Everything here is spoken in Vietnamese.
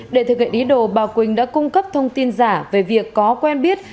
để thực hiện ý đồ bà quỳnh đã cung cấp thông tin giả về việc có quen biết